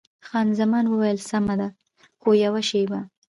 خان زمان وویل: سمه ده، خو یوه شېبه.